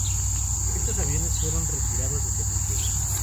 Estos aviones fueron retirados de servicio.